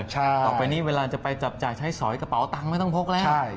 ต่อไปนี้เวลาจะไปจับจ่ายใช้สอยกระเป๋าตังค์ไม่ต้องพกแล้ว